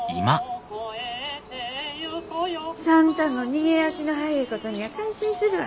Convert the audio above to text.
算太の逃げ足の速えことにゃ感心するわ。